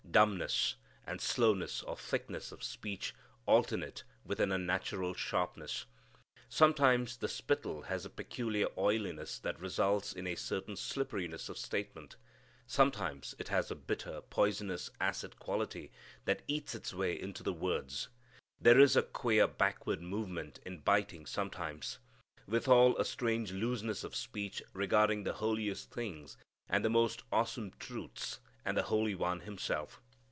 Dumbness, and slowness or thickness of speech alternate with an unnatural sharpness. Sometimes the spittle has a peculiar oiliness that results in a certain slipperiness of statement. Sometimes it has a bitter, poisonous, acid quality that eats its way into the words. There is a queer backward movement in biting sometimes. Withal a strange looseness of speech regarding the holiest things, and the most awesome truths, and the Holy One Himself.